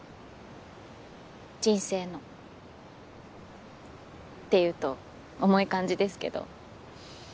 人生の。って言うと重い感じですけど。